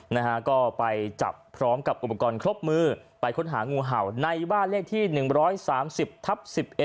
นะฮะก็ไปจับพร้อมกับอุปกรณ์ครบมือไปค้นหางูเห่าในบ้านเลขที่๑๓๐ทับ๑๑